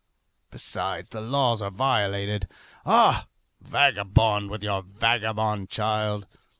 Besides, the laws are violated. Ah! vagabond with your vagabond child!